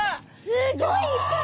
すごいいっぱい。